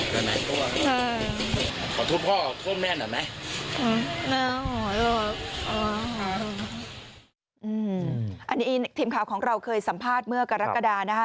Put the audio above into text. ขอโทษพ่อขอโทษแม่หน่อยไหมอืมอันนี้ทีมข่าวของเราเคยสัมภาษณ์เมื่อการรักษณ์กราดาศนะฮะ